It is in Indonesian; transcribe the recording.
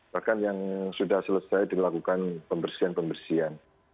bahkan yang sudah selesai dilakukan pembersihan pembersihan